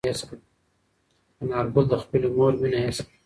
انارګل د خپلې مور مینه حس کړه.